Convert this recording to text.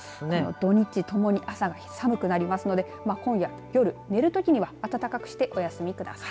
土日ともに朝が寒くなりますので今夜、夜寝るときには暖かくしておやすみください。